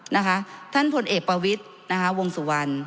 นะคะท่านพลเอกประวิทย์นะคะวงสุวรรณ